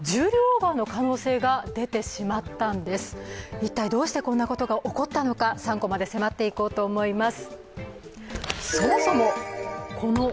一体どうしてこんなことが起こったのか３コマで迫っていこうと思います。